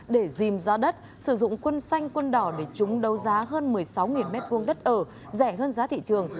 để dìm ra đất sử dụng quân xanh quân đỏ để chúng đấu giá hơn một mươi sáu m hai đất ở rẻ hơn giá thị trường